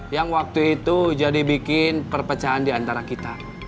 yang waktu itu jadi bikin perpecahan di antara kita